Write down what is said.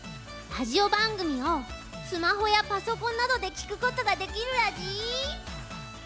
ラジオ番組をスマホやパソコンなどで聴くことができるラジ！